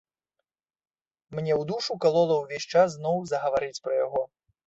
Мне ў душу калола ўвесь час зноў загаварыць пра яго.